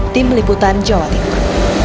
tim liputan jawa timur